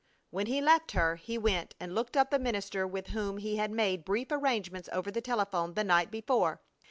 When he left her he went and looked up the minister with whom he had made brief arrangements over the telephone the night before.